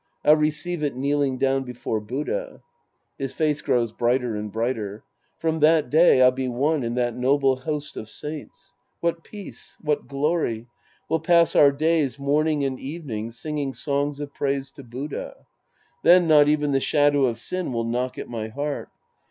I'll receive it kneeling down before Buddha. (His face grcnvs brighter and brighter^ From that day, I'll be one in that noble host of saints. What peace ! What glory ! We'll pass our days, morning and evening, singing songs of praise to Buddha. Then not even the shadow of sin will knock at my heart.